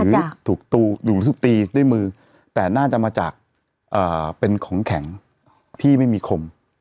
หรือถูกตีด้วยมือแต่น่าจะมาจากเป็นของแข็งที่ไม่มีคม